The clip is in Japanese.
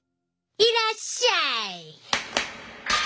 いらっしゃい！